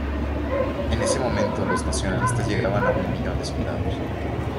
En ese momento los nacionalistas llegaban a un millón de soldados.